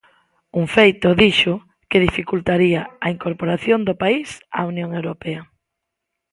Un feito, dixo, que dificultaría a incorporación do país á Unión Europea.